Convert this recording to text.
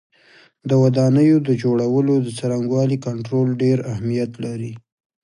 د ودانیو د جوړولو د څرنګوالي کنټرول ډېر اهمیت لري.